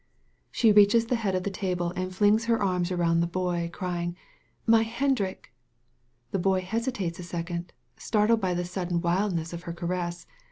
She reaches the head of the table and flings her arms around the boy, crying: "My Hendrik !" The boy hesitates a second, startled by the sud den wildness of her caress.